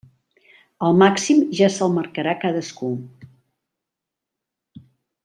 El màxim ja se'l marcarà cadascú.